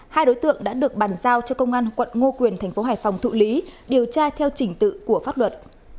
hai đối tượng đã được bàn giao cho công an quận ngô quyền thành phố hải phòng thụ lý điều tra theo chỉnh tự của pháp luật